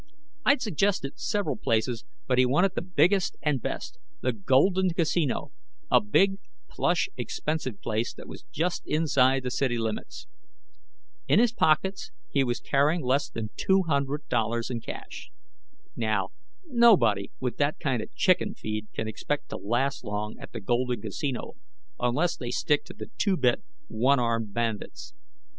I'd suggested several places, but he wanted the biggest and best the Golden Casino, a big, plush, expensive place that was just inside the city limits. In his pockets, he was carrying less than two hundred dollars in cash. Now, nobody with that kind of chicken feed can expect to last long at the Golden Casino unless they stick to the two bit one armed bandits.